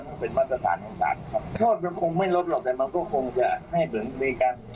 ก็เป็นมาตรฐานของศาลครับโทษมันคงไม่ลดหรอกแต่มันก็คงจะให้เหมือนมีการ